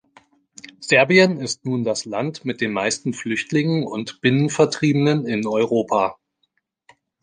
Serbien ist nun das Land mit den meisten Flüchtlingen und Binnenvertriebenen in Europa.